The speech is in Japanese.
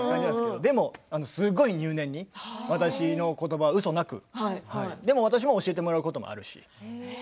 でもすごい入念に私のことばうそなくでも私も教えてもらうこともあるし。